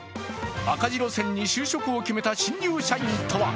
赤字路線に就職を決めた新入社員とは？